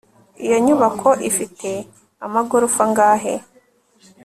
iyo nyubako ifite amagorofa angahe